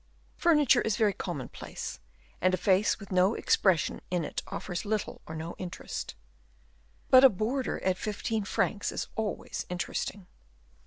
"Furniture is very commonplace; and a face with no expression in it offers little or no interest." "But a boarder at fifteen francs is always interesting."